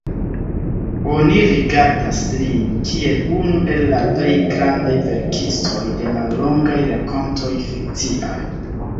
Oni rigardas lin kiel unu el la plej grandaj verkistoj de mallongaj rakontoj fikciaj.